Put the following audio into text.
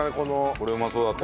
これうまそうだった。